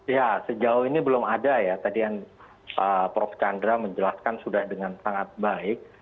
ya sejauh ini belum ada ya tadi yang prof chandra menjelaskan sudah dengan sangat baik